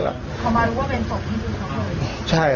เขามารู้ว่าเป็นศพที่ดูเขาเลยเหรอ